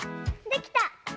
できた！